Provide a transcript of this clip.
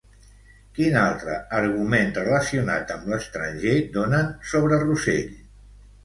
Quin altre argument relacionat amb l'estranger donen sobre Rosell?